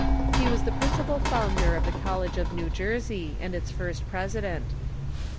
He was the principal founder of the Col lege of New Jersey, and its first president. Dr.